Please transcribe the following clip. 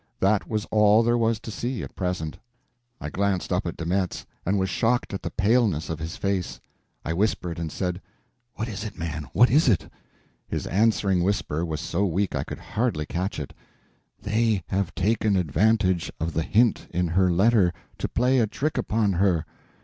That was all there was to see at present. I glanced up at De Metz, and was shocked at the paleness of his face. I whispered and said: "What is it, man, what is it?" His answering whisper was so weak I could hardly catch it: "They have taken advantage of the hint in her letter to play a trick upon her!